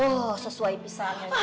oh sesuai pisahnya